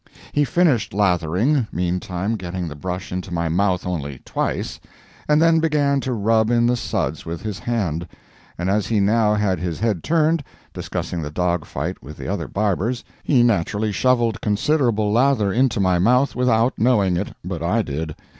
He finished lathering, meantime getting the brush into my mouth only twice, and then began to rub in the suds with his hand; and as he now had his head turned, discussing the dog fight with the other barbers, he naturally shovelled considerable lather into my mouth without knowing it, but I did.